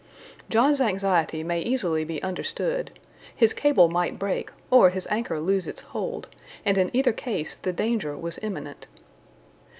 John's anxiety may easily be understood. His cable might break, or his anchor lose its hold, and in either case the danger was imminent.